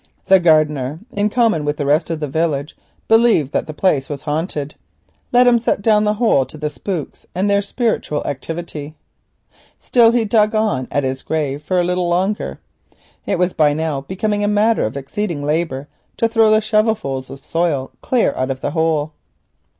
The gardener, in common with the rest of the village, believed that the place was haunted. Let him set down the hole to the "spooks" and their spiritual activity. Still he dug on at the grave for a little longer. It was by now becoming a matter of exceeding labour to throw the shovelfuls of soil clear of the hole.